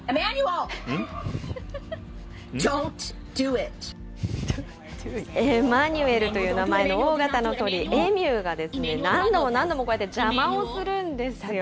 エマニュエルという名前の大型の鳥、エミューがですね、何度も何度もこうやって邪魔をするんですよ。